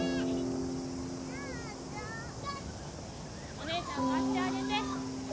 ・お姉ちゃん貸してあげて。